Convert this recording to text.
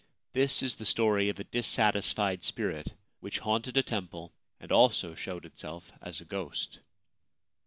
This is the story of a dissatisfied spirit which haunted a temple and also showed itself as a ghost.